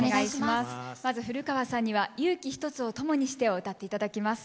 まず古川さんには「勇気一つを友にして」を歌って頂きます。